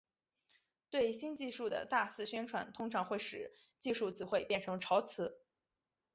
对新技术的大肆宣传通常会使技术词汇变成潮词。